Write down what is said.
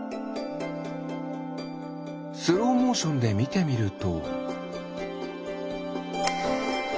スローモーションでみてみると。